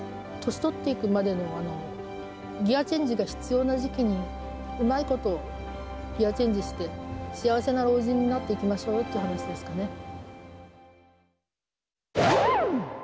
年取っていくまでのギアチェンジが必要な時期にうまいことギアチェンジして、幸せな老人になっていきましょうという話ですかね。